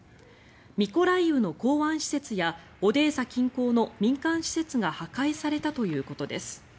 ミコライウの港湾施設やオデーサ近郊の民間施設が破壊されたということです。